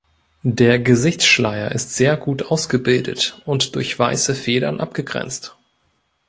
Der Gesichtsschleier ist sehr gut ausgebildet und durch weiße Federn abgegrenzt.